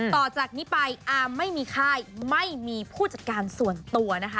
ต่อจากนี้ไปอามไม่มีค่ายไม่มีผู้จัดการส่วนตัวนะคะ